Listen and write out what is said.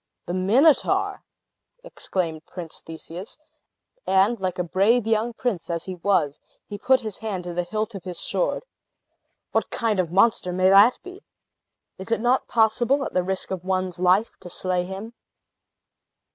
"The Minotaur!" exclaimed Prince Theseus; and like a brave young prince as he was, he put his hand to the hilt of his sword. "What kind of a monster may that be? Is it not possible, at the risk of one's life, to slay him?"